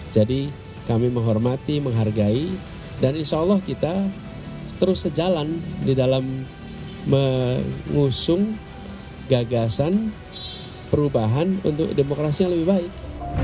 jadi kami menghormati menghargai dan insya allah kita terus sejalan di dalam mengusung gagasan perubahan untuk demokrasi yang lebih baik